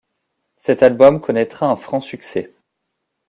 Cet album connaîtra un franc succès.